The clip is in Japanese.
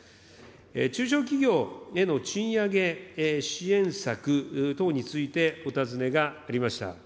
中小企業への賃上げ支援策等についてお尋ねがありました。